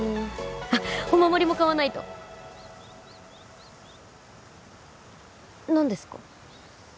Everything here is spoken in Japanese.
あっお守りも買わないと何ですか？